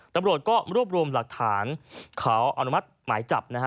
ตำรวจก็รวบรวมหลักฐานขออนุมัติหมายจับนะฮะ